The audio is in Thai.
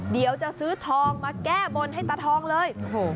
เดี๋ยวจะซื้อทองมาแก้บนให้ตาทองเลย